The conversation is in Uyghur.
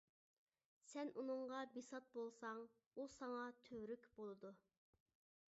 سەن ئۇنىڭغا بىسات بولساڭ، ئۇ ساڭا تۈۋرۈك بولىدۇ.